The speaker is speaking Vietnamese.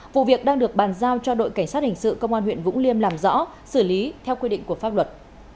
vụ việc đang được bàn giao cho đội cảnh sát hình sự công an huyện vũng liêm làm rõ xử lý theo quy định của pháp luật